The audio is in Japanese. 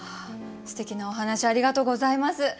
すてきなお話ありがとうございます。